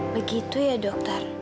begitu ya dokter